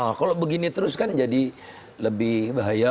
nah kalau begini terus kan jadi lebih bahaya